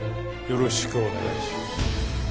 よろしくお願いします。